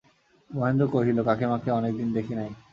মহেন্দ্র কহিল, কাকীমাকে অনেক দিন দেখি নাই।